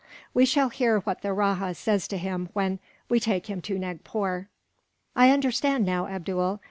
"'We shall hear what the rajah says to him when we take him to Nagpore.'" "I understand now, Abdool.